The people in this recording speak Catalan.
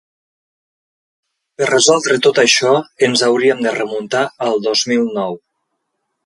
Per resoldre tot això ens hauríem de remuntar al dos mil nou.